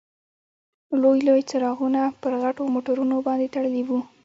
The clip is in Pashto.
لوی لوی څراغونه پر غټو موټرونو باندې تړلي وو.